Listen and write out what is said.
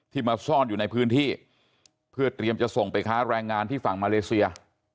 มาซ่อนอยู่ในพื้นที่เพื่อเตรียมจะส่งไปค้าแรงงานที่ฝั่งมาเลเซีย